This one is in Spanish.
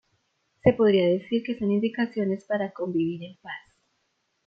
Se podría decir que son indicaciones para convivir en paz.